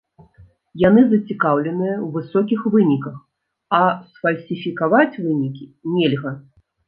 Яны зацікаўленыя ў высокіх выніках, а сфальсіфікаваць вынікі нельга.